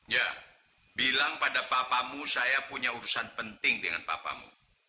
ya bilang pada papamu saya punya urusan penting dengan papamu